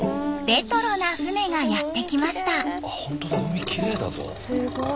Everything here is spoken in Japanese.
レトロな船がやって来ました。